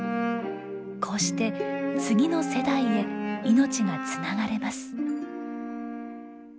こうして次の世代へ命がつながれます。